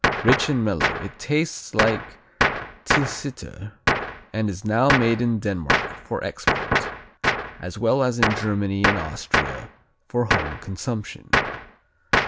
Rich and mellow, it tastes like Tilsiter and is now made in Denmark for export, as well as in Germany and Austria for home consumption.